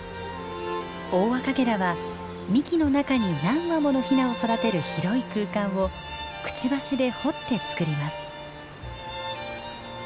オオアカゲラは幹の中に何羽ものヒナを育てる広い空間をクチバシで掘って作ります。